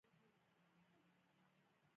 کتاب لوستنه د انسان پر کړو وړو اغيزه کوي.